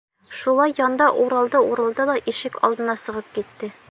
Шулай янда уралды-уралды ла ишек алдына сығып китте.